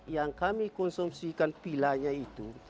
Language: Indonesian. yang kami konsumsikan pilanya itu